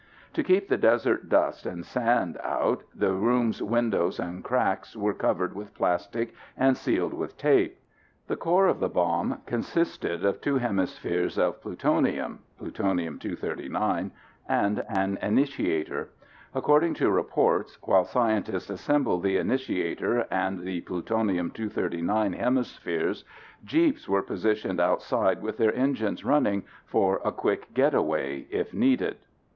To keep the desert dust and sand out, the room's windows and cracks were covered with plastic and sealed with tape. The core of the bomb consisted of two hemispheres of plutonium, (Pu 239), and an initiator. According to reports, while scientists assembled the initiator and the Pu 239 hemispheres, jeeps were positioned outside with their engines running for a quick getaway if needed.